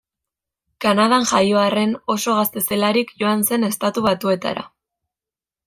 Kanadan jaio arren, oso gazte zelarik joan zen Estatu Batuetara.